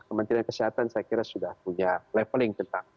kementerian kesehatan saya kira sudah punya leveling tentang